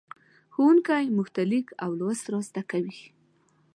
ښوونکی موږ ته لیک او لوست را زدهکوي.